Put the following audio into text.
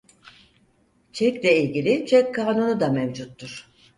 Çekle ilgili çek kanunu da mevcuttur.